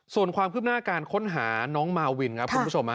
ส่วนความคืบหน้าการค้นหาน้องมาวินครับคุณผู้ชม